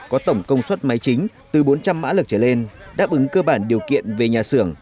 có tổng công suất máy chính từ bốn trăm linh mã lực trở lên đáp ứng cơ bản điều kiện về nhà xưởng